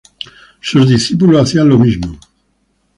Sus discípulos hacían lo mismo.